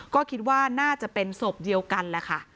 ก็คิดว่าน่าจะเป็นศพเดียวกันแหละค่ะ